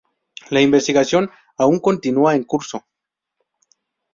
La investigación aun continúa en curso.